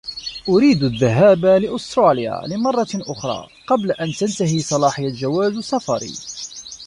أريد الذهاب لأستراليا لمرة أخرى قبل أن تنتهي صلاحية جواز سفري.